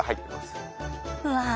うわ。